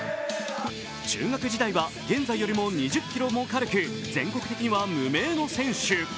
中学時代は現在よりも２０ｋｇも軽く全国的には無名の選手。